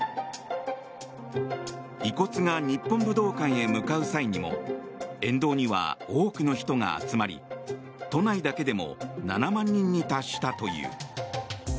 遺骨が日本武道館にへ向かう際にも沿道には多くの人が集まり都内だけでも７万人に達したという。